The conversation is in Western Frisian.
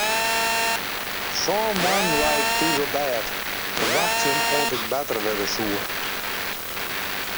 Sân moannen lei ik thús op bêd te wachtsjen oant ik better wurde soe.